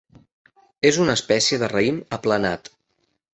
És una espècie de raïm aplanat.